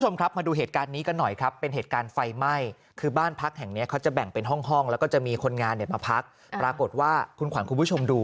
คุณผู้ชมครับมาดูเหตุการณ์นี้กันหน่อยครับเป็นเหตุการณ์ไฟไหม้คือบ้านพักแห่งเนี้ยเขาจะแบ่งเป็นห้องห้องแล้วก็จะมีคนงานเนี่ยมาพักปรากฏว่าคุณขวัญคุณผู้ชมดู